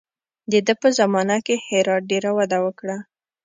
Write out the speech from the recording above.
د ده په زمانه کې هرات ډېره وده وکړه.